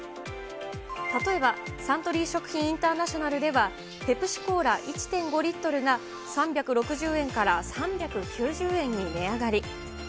例えば、サントリー食品インターナショナルでは、ペプシコーラ１．５リットルが３６０円から３９０円に値上がり。